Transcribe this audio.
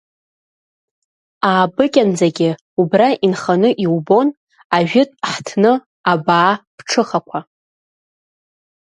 Аабыкьанӡагьы убра инханы иубон ажәытә ҳҭны абаа ԥҽыхақәа.